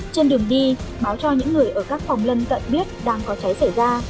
trên đường đi báo cho những người ở các phòng lân cận biết đang có cháy xảy ra